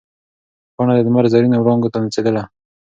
پاڼه د لمر زرینو وړانګو ته نڅېدله.